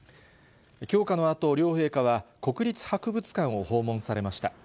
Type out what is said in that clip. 供花のあと、両陛下は、国立博物館を訪問されました。